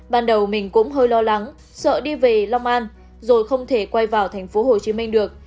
ban đầu mình cũng hơi lo lắng sợ đi về long an rồi không thể quay vào tp hcm được